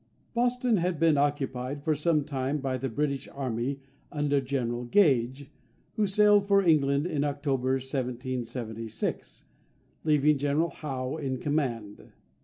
Boston had been occupied for some time by the British army under General Gage, who sailed for England in October 1776, leaving General Howe in command.